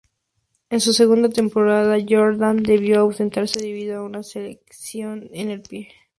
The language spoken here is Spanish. En su segunda temporada, Jordan debió ausentarse debido a una lesión en el pie.